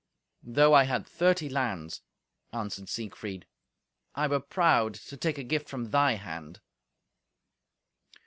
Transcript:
"Though I had thirty lands," answered Siegfried, "I were proud to take a gift from thy hand."